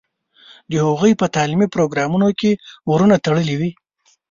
د هغوی په تعلیمي پروګرامونو کې ورونه تړلي وي.